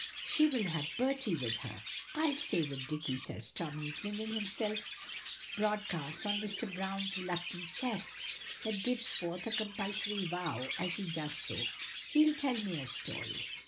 She will have Bertie with her." "I'll stay with Dicky," says Tommy, flinging himself broadcast on Mr. Brown's reluctant chest, that gives forth a compulsory "Wough" as he does so. "He'll tell me a story."